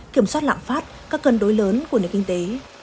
kiểm soát lạm phát các cân đối lớn của nền kinh tế